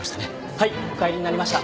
はいお帰りになりました。